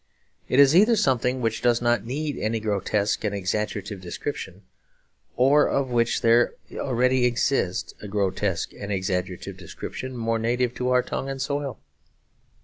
It is either something which does not need any grotesque and exaggerative description, or of which there already exists a grotesque and exaggerative description more native to our tongue and soil.